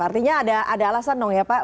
artinya ada alasan dong ya pak